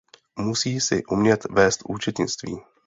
Musí si umět vést účetnictví.